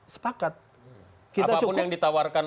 sepakat apapun yang ditawarkan